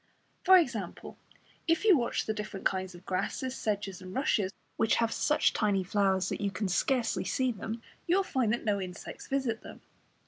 For example, if you watch the different kinds of grasses, sedges and rushes, which have such tiny flowers that you can scarcely see them, you will find that no insects visit them.